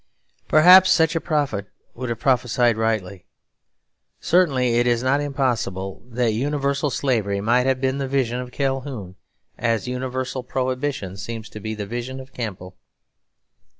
Perhaps such a prophet would have prophesied rightly. Certainly it is not impossible that universal Slavery might have been the vision of Calhoun as universal Prohibition seems to be the vision of Campbell.